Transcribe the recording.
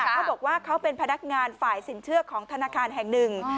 เขาบอกว่าเขาเป็นพนักงานฝ่ายสินเชื่อของธนาคารแห่งหนึ่ง